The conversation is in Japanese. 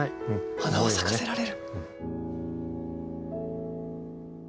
花は咲かせられる。